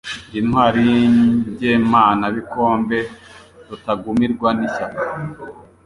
Ndi intwari y' ingemanabikombe Rutagumirwa n' ishyaka